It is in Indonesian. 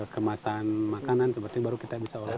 kemasan makanan seperti itu baru bisa kita olah